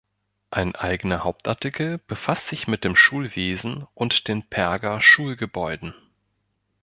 Ein eigener Hauptartikel befasst sich mit dem Schulwesen und den Perger Schulgebäuden.